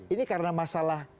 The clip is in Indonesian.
ini karena masalah